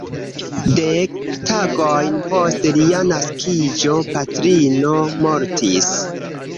Dek tagojn post lia naskiĝo patrino mortis.